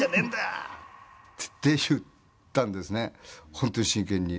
本当に真剣に。